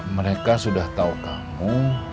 mereka sudah tau kamu